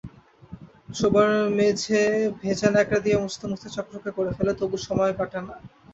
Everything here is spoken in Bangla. শোবার মেঝে ভেজা ন্যাকড়া দিয়ে মুছতে-মুছতে চকচকে করে ফেলে, তবু সময় কাটে না।